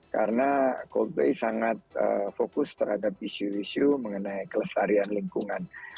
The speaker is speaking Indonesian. karena coldplay sangat fokus terhadap isu isu mengenai kelestarian lingkungan